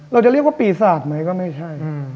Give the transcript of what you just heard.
เราจะเรียกว่าปีศาจไหมก็ไม่ใช่